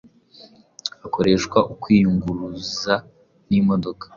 hakoreshwa ukwiyunguruza n’imodoka